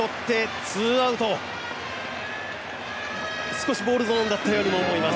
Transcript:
少しボールゾーンだったようにも思います。